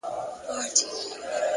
د انسان ځواک په صبر کې پټ دی!